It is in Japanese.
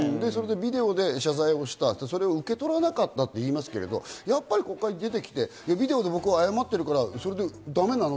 ビデオで謝罪した、それを受け取らなかったと言いますけど、国会に出てきて、ビデオで謝っているから、それでだめなの？